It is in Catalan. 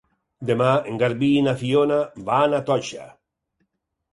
Demà en Garbí i na Fiona van a Toixa.